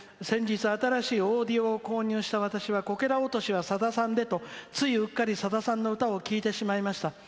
先日、新しいオーディオを購入した私はこけら落としはさださんでとついうっかり、さださんの歌を聴いてしまいました。